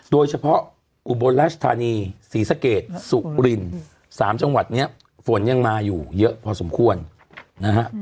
อุบลราชธานีศรีสะเกดสุริน๓จังหวัดนี้ฝนยังมาอยู่เยอะพอสมควรนะฮะ